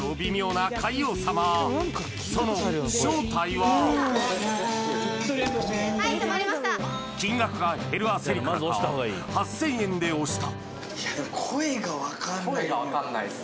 はい止まりました金額が減る焦りからか８０００円で押した！